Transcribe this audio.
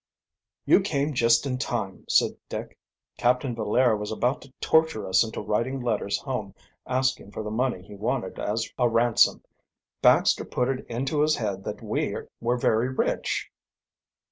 "You came just in time," said Dick. "Captain Villaire was about to torture us into writing letters home asking for the money he wanted as a ransom. Baxter put it into his head that we were very rich."